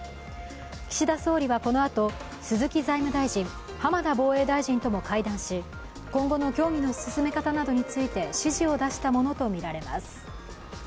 岸田総理はこのあと、鈴木財務大臣浜田防衛大臣とも会談し今後の協議の進め方などについて指示を出したものとみられます。